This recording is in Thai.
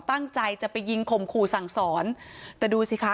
ตั้งใจจะไปยิงข่มขู่สั่งสอนแต่ดูสิคะ